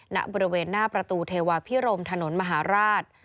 ณบริเวณหน้าประตูเทวาพิรมถนนมหาราช